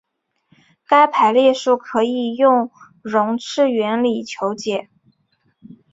该排列数可以用容斥原理求解。